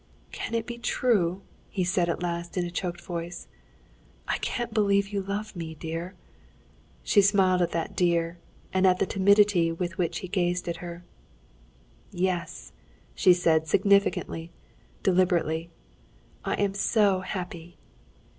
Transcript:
"Can it be true?" he said at last in a choked voice. "I can't believe you love me, dear!" She smiled at that "dear," and at the timidity with which he glanced at her. "Yes!" she said significantly, deliberately. "I am so happy!"